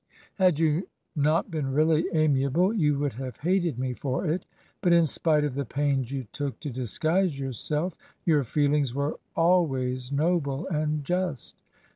Had you not been really amiable you would have hated me for it, but in spite of the pains you took to disguise yourself, your feelings were always noble and just.